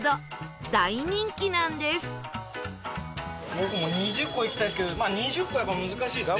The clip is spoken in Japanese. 僕も２０個いきたいですけど２０個はやっぱ難しいですね